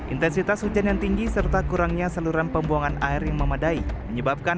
intensitas hujan yang tinggi serta kurangnya saluran pembuangan air yang memadai menyebabkan